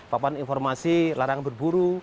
papan informasi larangan berburu